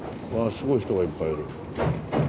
すごい人がいっぱいいる。